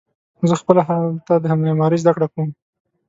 زه خپله هلته د معمارۍ زده کړه کوم.